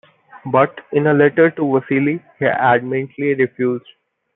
But in a letter to Vasselli, he adamantly refused.